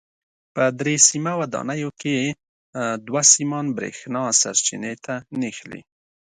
په درې سیمه ودانیو کې دوه سیمان برېښنا سرچینې ته نښلي.